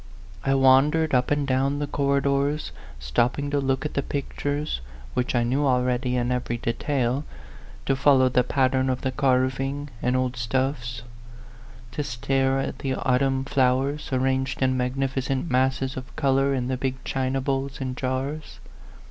I wan dered up and down the corridors, stopping to look at the pictures, which I knew already in every detail, to follow the pattern of the carving and old stuffs, to stare at the au tumn flowers, arranged in magnificent masses A PHANTOM LOVER. 131 of color in the big china bowls and jars.